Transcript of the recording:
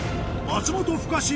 松本深志